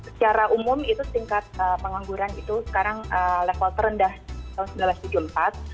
secara umum itu tingkat pengangguran itu sekarang level terendah tahun seribu sembilan ratus tujuh puluh empat